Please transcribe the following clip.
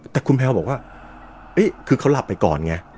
แต่คุณแพลวบอกว่าคือเขาหลับไปก่อนไง